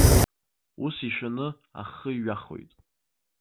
Ус ишәаны ахы иҩахоит.